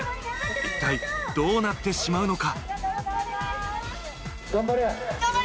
一体どうなってしまうのか。